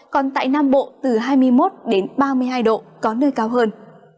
còn tại nam bộ từ hai mươi một ba mươi hai độ có nơi cao hơn